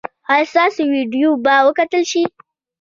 ایا ستاسو ویډیو به وکتل شي؟